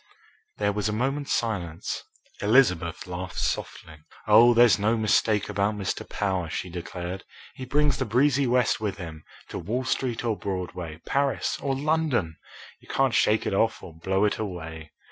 There was a moment's silence. Elizabeth laughed softly. "Oh, there's no mistake about Mr. Power!" she declared. "He brings the breezy West with him, to Wall Street or Broadway, Paris or London. You can't shake it off or blow it away."